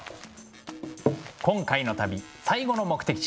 今回の旅最後の目的地